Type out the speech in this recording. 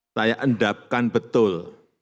saya endapkan betul